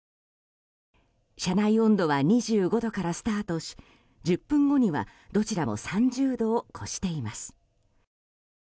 車内温度は２５度からスタートし１０分後にはどちらも３０度を超しています。